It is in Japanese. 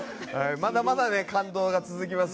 まだまだ感動が続きます。